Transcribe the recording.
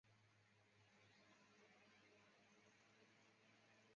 曾从尹自重学习粤曲。